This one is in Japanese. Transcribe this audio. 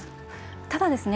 ただですね